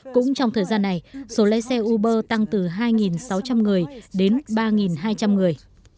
cũng trong thời gian này số lái xe uber tăng từ hai sáu trăm linh người đến ba hai trăm linh người